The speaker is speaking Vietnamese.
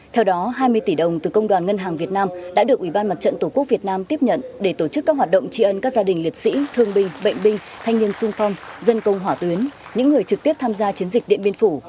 theo đó hai mươi tỷ đồng từ công đoàn ngân hàng việt nam đã được ủy ban mặt trận tổ quốc việt nam tiếp nhận để tổ chức các hoạt động tri ân các gia đình liệt sĩ thương binh bệnh binh thanh niên sung phong dân công hỏa tuyến những người trực tiếp tham gia chiến dịch điện biên phủ